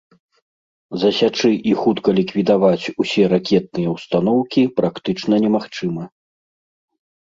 Засячы і хутка ліквідаваць усе ракетныя ўстаноўкі практычна немагчыма.